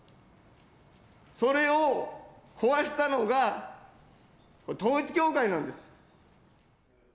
それを壊したのが、統一教会なんです。